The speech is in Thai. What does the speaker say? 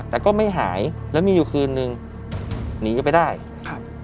แต่ก็ไม่หายแล้วมีอยู่คืนนึงหนีกันไปได้ครับ